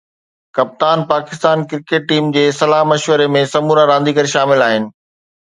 ڪپتان Pakistan cricket team جي صلاح مشوري ۾ سمورا رانديگر شامل آهن